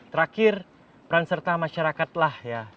terakhir peran serta masyarakat lah ya